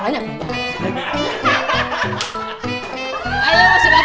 saya mau tuh diketcha youtuber